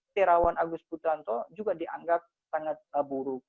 terawan agus putranto juga dianggap sangat buruk